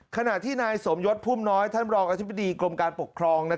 ขณะที่นายสมยศพุ่มน้อยท่านรองอธิบดีกรมการปกครอง